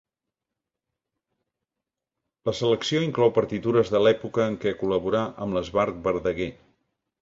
La selecció inclou partitures de l'època en què col·laborà amb l'Esbart Verdaguer.